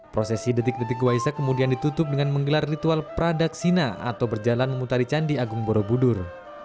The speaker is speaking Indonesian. prosesi detik detik waisak kemudian ditutup dengan menggelar ritual pradaksina atau berjalan memutari candi agung borobudur